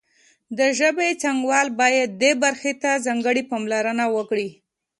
د ژبې څانګوال باید دې برخې ته ځانګړې پاملرنه وکړي